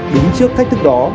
đứng trước thách thức đó